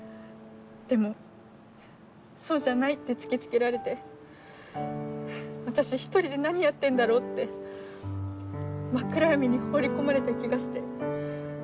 でもそうじゃないって突き付けられて私１人で何やってんだろうって真っ暗闇に放り込まれた気がして。